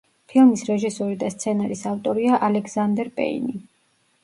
ფილმის რეჟისორი და სცენარის ავტორია ალეგზანდერ პეინი.